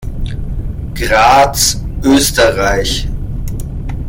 Graz, Österreich